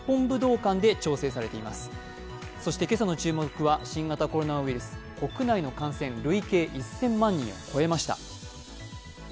そして今朝の注目は新型コロナウイルス、国内の感染累計１０００万人を超えました。